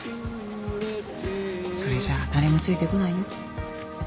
それじゃあ誰もついてこないよ。